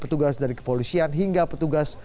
petugas dari kepolisian hingga petugas